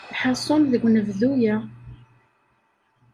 Lḥasul, deg unebdu-a.